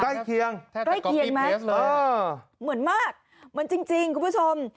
ใกล้เคียงใกล้เคียงไหมเหมือนมากเหมือนจริงคุณผู้ชม